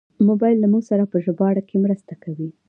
موبایل له موږ سره په ژباړه کې مرسته کوي.